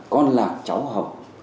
con lạc cháu học